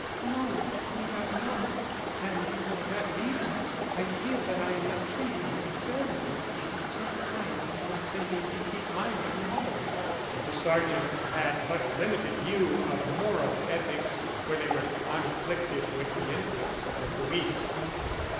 "No; he does not, and for that reason I feel that I am not treating him fairly after he was so kind in consenting to keep my name out of it." The sergeant had but a limited view of moral ethics where they conflicted with the interests of the police.